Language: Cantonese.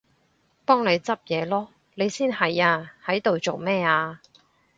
幫你執嘢囉！你先係啊，喺度做乜啊？